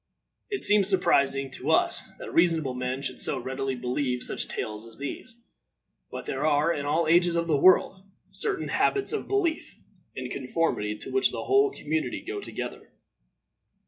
It seems surprising to us that reasonable men should so readily believe such tales as these; but there are, in all ages of the world, certain habits of belief, in conformity to which the whole community go together.